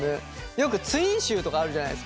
よくツインシューとかあるじゃないですか